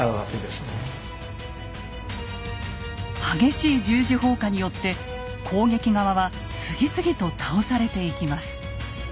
激しい十字砲火によって攻撃側は次々と倒されていきます。